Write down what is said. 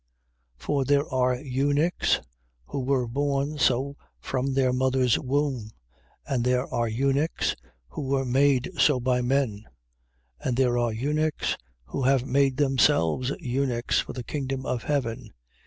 For there are eunuchs, who were born so from their mothers womb: and there are eunuchs, who were made so by men: and there are eunuchs, who have made themselves eunuchs for the kingdom of heaven.